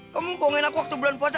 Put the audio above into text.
kamu mumpungin aku waktu bulan puasa